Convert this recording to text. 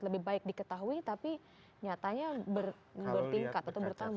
lebih baik diketahui tapi nyatanya bertingkat atau bertambah